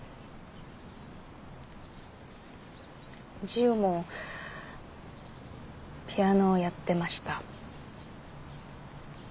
ジウもピアノをやってました。